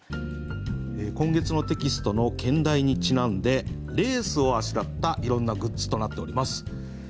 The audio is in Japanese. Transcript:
今月のテキストの兼題にちなんでレースをあしらったいろんなグッズとなっております。